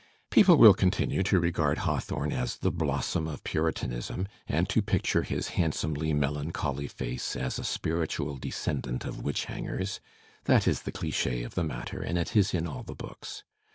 People will continue to regard Hawthorne as the Blossom of Puritanism and to picture his handsomely melancholy face as a spiritual descendant of witch hangers. That is the dichS of the matter and it is in all the books.